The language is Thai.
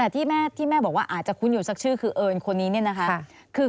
ที่แม่บอกว่าอาจจะคุ้นอยู่สักชื่อคือเอิญคนนี้เนี่ยนะคะ